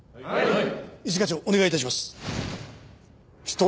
はい！